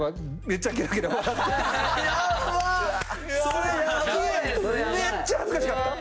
めっちゃ恥ずかしかった。